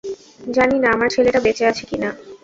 জানি না আমার ছেলেটা বেঁচে আছে কিনা।